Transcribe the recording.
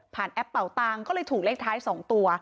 แอปเป่าตังค์ก็เลยถูกเลขท้าย๒ตัว